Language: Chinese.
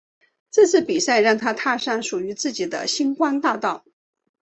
这次比赛让她踏上属于自己的星光道路。